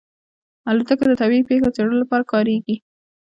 الوتکه د طبیعي پېښو څېړلو لپاره کارېږي.